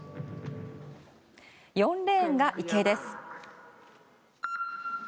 ４レーンが池江です。